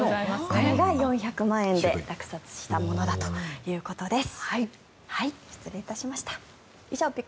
これが４００万円で落札したものだということです。